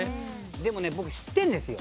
でもね僕知ってるんですよ。